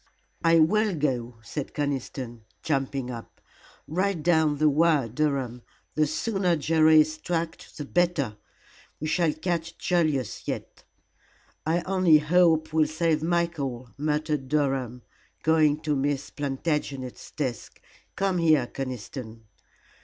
"I will go," said Conniston, jumping up. "Write down the wire, Durham. The sooner Jerry is tracked the better. We shall catch Julius yet." "I only hope we'll save Michael," muttered Durham, going to Miss Plantagenet's desk. "Come here, Conniston."